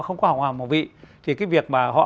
không có học hòa học hòa học thì cái việc mà họ